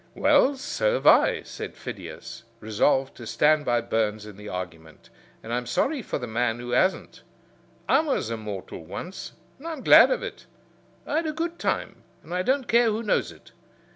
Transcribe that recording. "Well, so have I," said Phidias, resolved to stand by Burns in the argument, "and I'm sorry for the man who hasn't. I was a mortal once, and I'm glad of it. I had a good time, and I don't care who knows it.